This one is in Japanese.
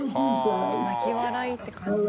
泣き笑いって感じ。